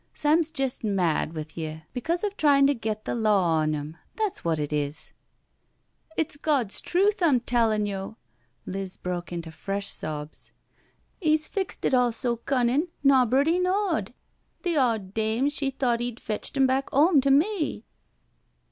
Sam's jest mad with ye because of tryin' to get the law on 'im— that's what it is." " It's Gawd's truth I'm tellin' yo'." Liz broke intd fresh sobs. " '£'s fixed it all so cunnin' nobry knaw'd — the owd dame she thought 'e'd fetched 'em back 'ome to me."